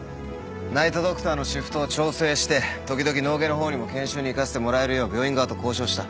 ナイト・ドクターのシフトを調整して時々脳外の方にも研修に行かせてもらえるよう病院側と交渉した。